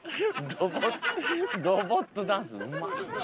ロボロボットダンスうまっ！